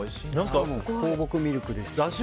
放牧ミルクですし。